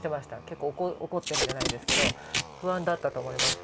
結構怒ってるじゃないですけど不安だったと思います。